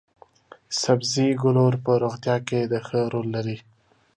سبزي ګولور په روغتیا کې د ښه رول لري.